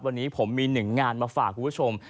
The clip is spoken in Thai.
วันนี้ผมมีหนึ่งงานมาฝากคุณผู้ชม